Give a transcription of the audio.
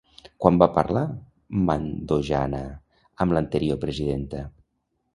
Quan va parlar Mandojana amb l'anterior presidenta?